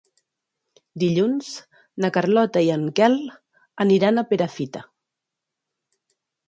Dilluns na Carlota i en Quel aniran a Perafita.